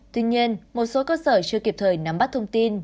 tuy nhiên một số cơ sở chưa kịp thời nắm bắt thông tin